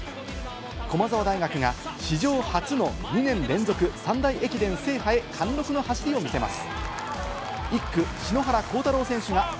駒澤大学が史上初の２年連続三大駅伝制覇へ貫禄の走りを見せます。